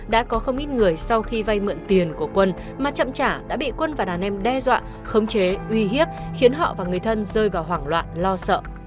đã có không ít người sau khi vay mượn tiền của quân mà chậm trả đã bị quân và đàn em đe dọa khống chế uy hiếp khiến họ và người thân rơi vào hoảng loạn lo sợ